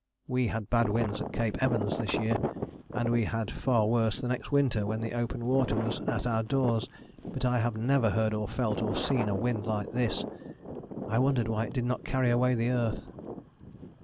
We had bad winds at Cape Evans this year, and we had far worse the next winter when the open water was at our doors. But I have never heard or felt or seen a wind like this. I wondered why it did not carry away the earth.